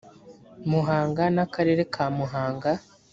muhanga n akarere ka muhanga